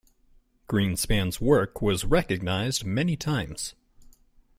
Greenspan's work was recognized many times.